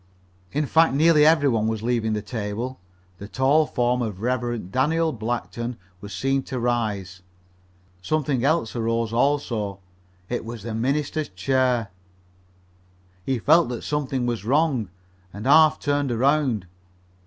In fact nearly every one was leaving the table. The tall form of Rev. Daniel Blackton was seen to rise. Something else arose also. It was the minister's chair. He felt that something was wrong, and half turned around.